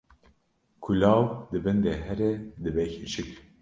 ku law di bin de here dibe keçik